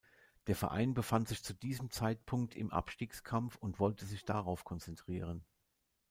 Der Verein befand sich zu diesem Zeitpunkt im Abstiegskampf und wollte sich darauf konzentrieren.